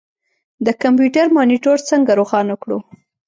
د کمپیوټر مانیټر څنګه روښانه کړو.